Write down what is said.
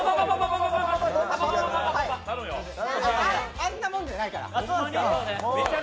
あんなもんじゃないから。